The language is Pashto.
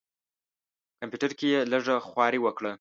کمپیوټر کې یې لږه خواري وکړه.